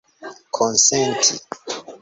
konsenti